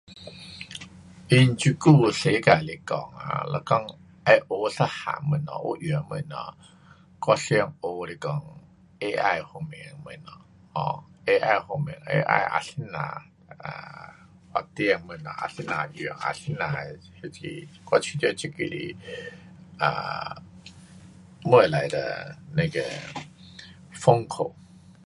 凭这久的世界来讲哈，是讲要学一样东西，有用的东西，我想学来讲，AI 方面的东西，[um]AI 方面，AI 啊怎样，啊，发展东西，啊怎样用，啊怎样那个，我觉得这个是，啊，未来的那个丰口。